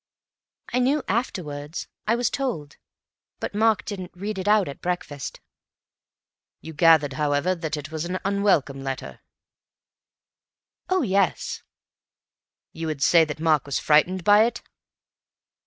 "I knew afterwards. I was told. But Mark didn't read it out at breakfast." "You gathered, however, that it was an unwelcome letter?" "Oh, yes!" "Would you say that Mark was frightened by it?"